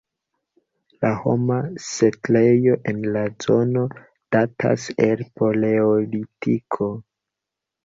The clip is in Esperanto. La homa setlejo en la zono datas el paleolitiko.